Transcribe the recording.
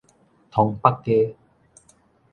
通北街